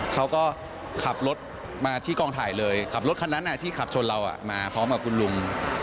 เขาก็ขับรถมาที่กองถ่ายเลยขับรถคันนั้นที่ขับชนเรามาพร้อมกับคุณลุง